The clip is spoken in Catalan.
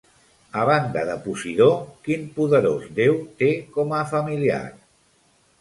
A banda de Posidó, quin poderós déu té com a familiar?